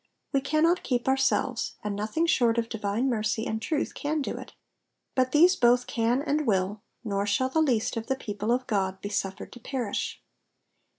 We cannot keep ourselves, and nothing short of divine mercy and truth can do it ; but these both can and will, nor shall the least of the people of God be suffered to perish.